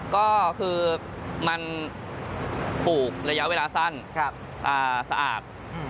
ก็คือมันปลูกระยะเวลาสั้นสะอาด